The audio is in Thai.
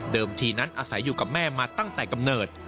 ทีนั้นอาศัยอยู่กับแม่มาตั้งแต่กำเนิด